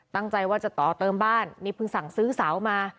ตั้งใจว่าจะต่อเติมบ้านนี่เพิ่งสั่งซื้อเสามา